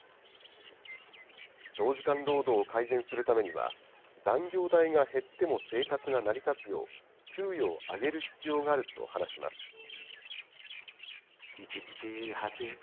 長時間労働を改善するためには、残業代が減っても生活が成り立つよう、給与を上げる必要があると話します。